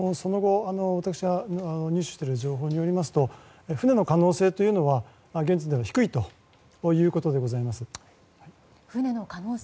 私が入手している情報によりますと船の可能性は現時点では低いということでございます。